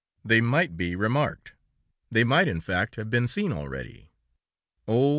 They might be remarked; they might, in fact, have been seen already. Oh!